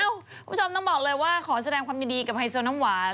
คุณผู้ชมต้องบอกเลยว่าขอแสดงความยินดีกับไฮโซน้ำหวาน